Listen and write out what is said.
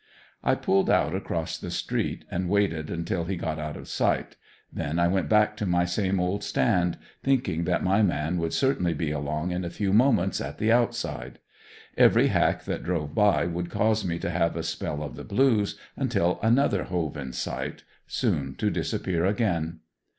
I pulled out across the street and waited until he got out of sight, then I went back to my same old stand, thinking that my man would certainly be along in a few moments at the outside. Every hack that drove by would cause me to have a spell of the blues, until another hove in sight soon to disappear again.